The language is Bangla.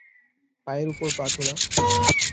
পায়ের উপর পা তোলা।